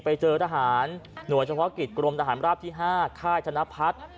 ไปเจอทหารหัวจักรภกฤตกรมทหารลาบที่ห้าอ่ะค่ายฉะน้าพัฒน์